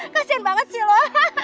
kasian banget sih lo